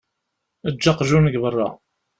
Eǧǧ aqjun deg beṛṛa.